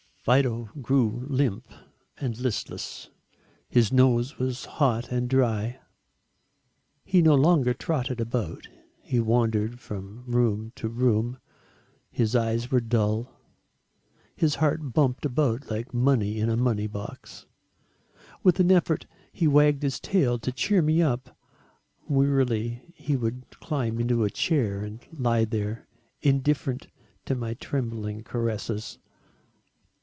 Fido grew limp and listless. His nose was hot and dry. He no longer trotted about, he wandered from room to room. His eyes were dull. His heart bumped about like money in a money box. With an effort he wagged his tail to cheer me up. Wearily he would climb into a chair and lie there indifferent to my trembling caresses.